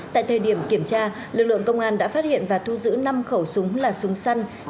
tại thời điểm kiểm tra lực lượng công an đã phát hiện và thu giữ năm khẩu súng là súng săn